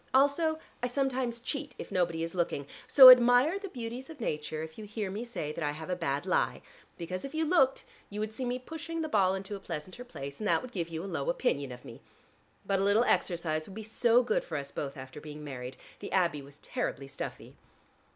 Also I sometimes cheat, if nobody is looking, so admire the beauties of nature if you hear me say that I have a bad lie, because if you looked you would see me pushing the ball into a pleasanter place, and that would give you a low opinion of me. But a little exercise would be so good for us both after being married: the Abbey was terribly stuffy."